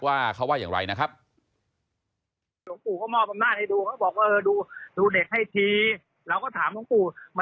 ว่าเขาว่าอย่างไรนะครับ